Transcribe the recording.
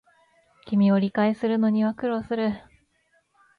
君を理解するのには苦労する